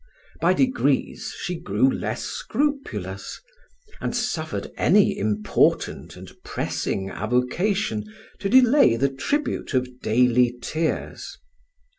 By degrees she grew less scrupulous, and suffered any important and pressing avocation to delay the tribute of daily tears.